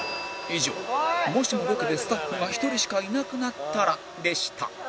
以上「もしもロケでスタッフが１人しか居なくなったら？」でした